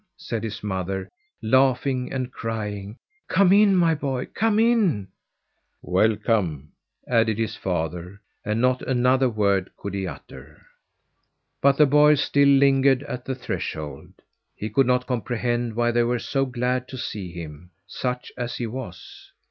said his mother, laughing and crying. "Come in, my boy! Come in!" "Welcome!" added his father, and not another word could he utter. But the boy still lingered at the threshold. He could not comprehend why they were so glad to see him such as he was.